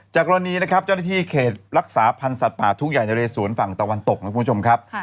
กรณีนะครับเจ้าหน้าที่เขตรักษาพันธ์สัตว์ป่าทุ่งใหญ่นะเรสวนฝั่งตะวันตกนะคุณผู้ชมครับ